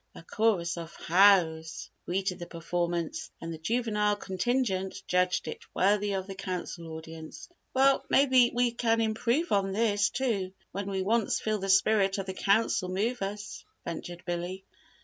A chorus of "Hows" greeted the performance and the juvenile contingent judged it worthy of the Council audience. "Well, maybe we can improve on this, too, when we once feel the spirit of the Council move us," ventured Billy.